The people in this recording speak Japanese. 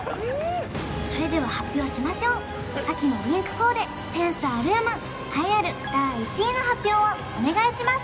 それでは発表しましょう秋のリンクコーデセンスあるマン栄えある第１位の発表をお願いします